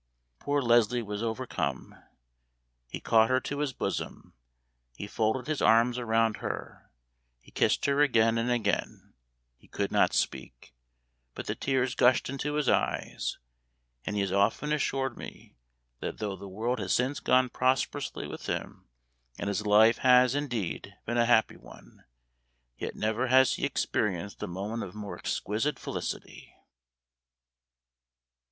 Poor Leslie was overcome. He caught her to his bosom he folded his arms round her he kissed her again and again he could not speak, but the tears gushed into his eyes; and he has often assured me, that though the world has since gone prosperously with him, and his life has, indeed, been a happy one, yet never has he experienced a moment of more exquisite felicity.